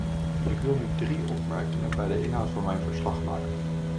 Ik wil nu drie opmerkingen bij de inhoud van mijn verslag maken.